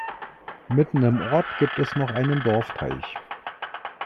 Mitten im Ort gibt es noch einen Dorfteich.